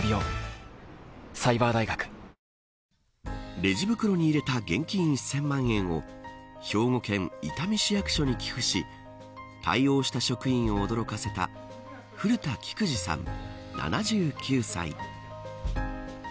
レジ袋に入れた現金１０００万円を兵庫県伊丹市役所に寄付し対応した職員を驚かせた古田喜久治さん、７９歳。